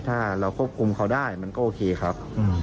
ถ้าเราควบคุมเขาได้มันก็โอเคครับ